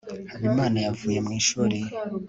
habimana yavuye mu ishuri